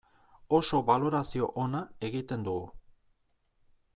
Oso balorazio ona egiten dugu.